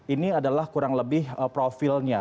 ini adalah kurang lebih profilnya